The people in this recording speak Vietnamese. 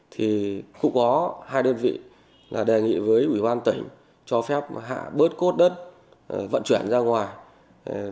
thì cũng có hai đơn vị là đề nghị với ủy ban tỉnh cho phép hạ bớt cốt đất vận chuyển ra ngoài